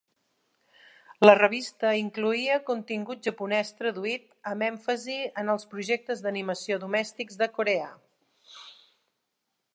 La revista incloïa contingut japonès traduït, amb èmfasi en els projectes d'animació domèstics de Corea.